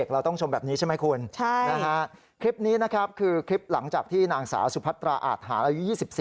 เขียนชื่อนามสกุลเขียนว่าเขียนชื่อนามสกุลตัวเองใช่ไหม